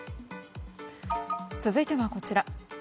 続いては、こちら。